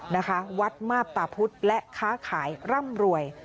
นะคะวัฒนธาพุธวัตถ์และค้าขายร่ำรวย